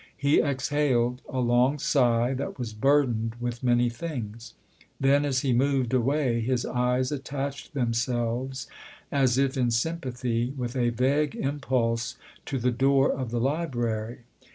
He exhaled a long sigh that was burdened with many things ; then as he moved away his eyes attached themselves as if in sympathy with a vague impulse to the door of the library.